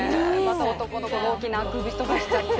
男の子が大きなあくびとかしちゃって。